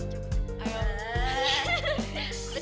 jangan lupa menur